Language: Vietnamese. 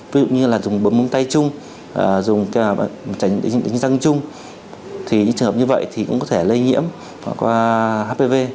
ví dụ như là dùng bấm tay chung dùng tránh tính răng chung thì những trường hợp như vậy thì cũng có thể lây nhiễm qua hpv